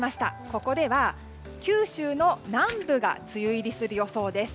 ここでは九州南部が梅雨入りする予想です。